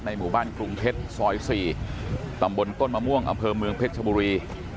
หมู่บ้านกรุงเพชรซอย๔ตำบลต้นมะม่วงอำเภอเมืองเพชรชบุรี